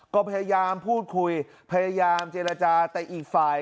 ก็พยายามพูดคุยพยายามเจรจาแต่อีกฝ่าย